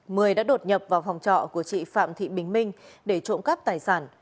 mười đã đột nhập vào phòng trọ của chị phạm thị bình minh để trộm cắp tài sản